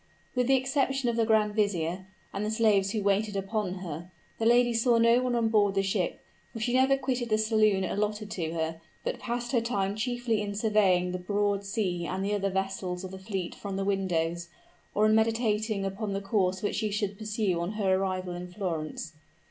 With the exception of the grand vizier, and the slaves who waited upon her, the lady saw no one on board the ship; for she never quitted the saloon allotted to her, but passed her time chiefly in surveying the broad sea and the other vessels of the fleet from the windows, or in meditating upon the course which she should pursue on her arrival in Florence.